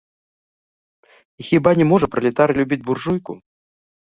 І хіба не можа пралетарый любіць буржуйку?